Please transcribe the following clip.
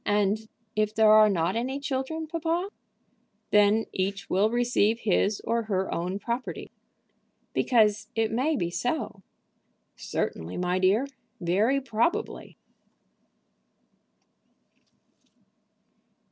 "And if there are not any children, papa?" "Then each will receive his or her own property." "Because it may be so." "Certainly, my dear; very probably."